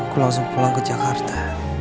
aku langsung pulang ke jakarta